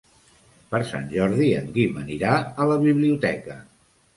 Per Sant Jordi en Guim anirà a la biblioteca.